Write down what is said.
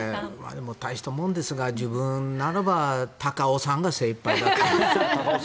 でも大したもんですが自分ならば高尾山が精いっぱいだと思います。